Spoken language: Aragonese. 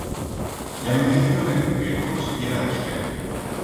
Ya me dicioren que el coche yera desfeto.